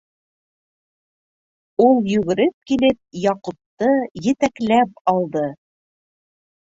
- Ул йүгереп килеп, Яҡупты етәкләп алды.